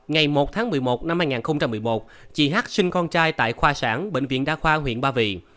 ngày một tháng một mươi một năm hai nghìn một mươi một chị hát sinh con trai tại khoa sản bệnh viện đa khoa huyện ba vì